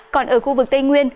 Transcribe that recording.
còn ở khu vực tây nguyên